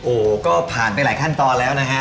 โอ้โหก็ผ่านไปหลายขั้นตอนแล้วนะฮะ